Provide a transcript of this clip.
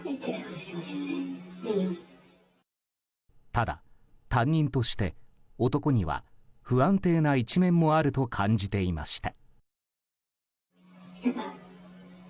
ただ、担任として男には不安定な一面もあると感じていました。